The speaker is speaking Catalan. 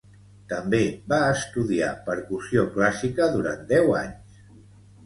També va estudiar percussió clàssica durant deu anys.